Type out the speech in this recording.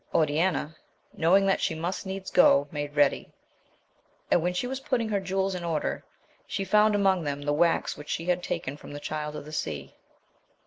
Oriana, knowing that she must needs go, made ready ; and when she was put ting her jewels in order, she found among them the wax which she had taken from the Child of the Sea.